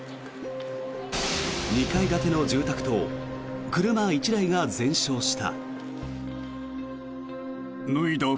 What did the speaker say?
２階建ての住宅と車１台が全焼した。